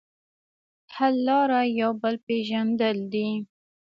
حل لاره یو بل پېژندل دي.